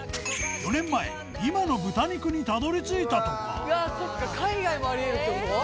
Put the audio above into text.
４年前今の豚肉にたどり着いたとかそっか海外もありえるってこと？